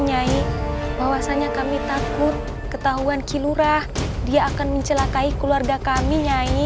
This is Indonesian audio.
nyai bahwasanya kami takut ketahuan kilurah dia akan mendapatkan kembar yang sama dengan kita